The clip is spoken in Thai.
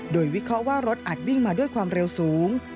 โดยวิเคราะห์ว่ารถอาจวิ่งมาด้วยความเร็วสูง